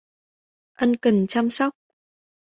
Ân cần chăm sóc